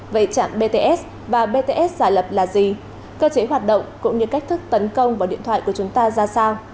về trạm bts và bts giả lập là gì cơ chế hoạt động cũng như cách thức tấn công vào điện thoại của chúng ta ra sao